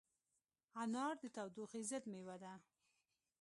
انار د تودوخې ضد مېوه ده.